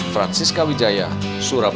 jangan lupa like share dan subscribe